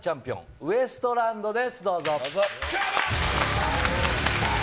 ウエストランドです。